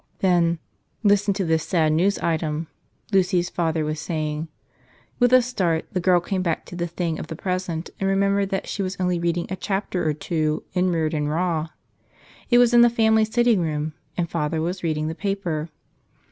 Then — "Listen to this sad news item," Lucy's father was saying. With a start the girl came back to the things of the present and remembered that she was only reading a chapter or two in "Reardon Rah!" It was in the family sitting room, and father was reading the paper.